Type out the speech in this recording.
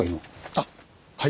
あっはい。